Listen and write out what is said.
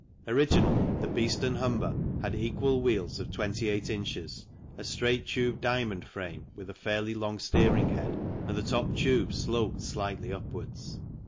Originally, the Beeston Humber had equal wheels of 28 ins., a straight tube diamond frame with a fairly long steering head and the top tube sloped slightly upwards.